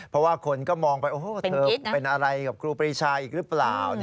เพราะว่าคนก็มองไปเธอเป็นอะไรกับครูปรีชาอีกหรือเปล่า